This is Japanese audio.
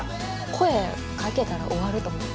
声かけたら終わると思って。